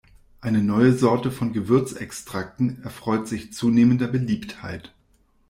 Eine neue Sorte von Gewürzextrakten erfreut sich zunehmender Beliebtheit.